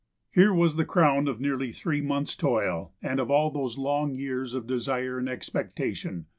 Here was the crown of nearly three months' toil and of all those long years of desire and expectation.